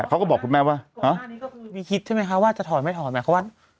เขาก็บอกคุณแม่ว่าอ๋อมีคิดใช่ไหมคะว่าจะถอนไม่ถอนไหมเขาว่า